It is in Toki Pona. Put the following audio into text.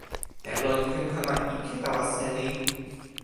telo li ken kama ike tawa seli.